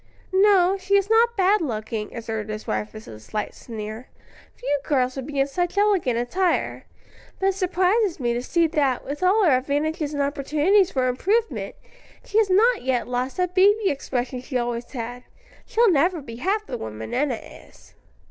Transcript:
"No, she is not bad looking," observed his wife with a slight sneer; "few girls would be in such elegant attire; but it surprises me to see that, with all her advantages and opportunities for improvement, she has not yet lost that baby expression she always had. She'll never be half the woman Enna is."